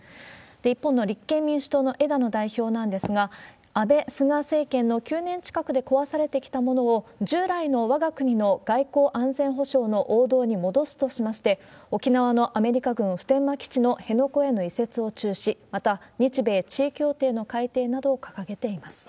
一方の立憲民主党の枝野代表なんですが、安倍、菅政権の９年近くで壊されてきたものを、従来のわが国の外交安全保障の王道に戻すとしまして、沖縄のアメリカ軍普天間基地の辺野古への移設を中止、また日米地位協定の改定などを掲げています。